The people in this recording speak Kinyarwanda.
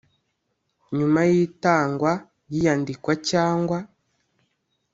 nyuma y itangwa y iyandikwa cyangwa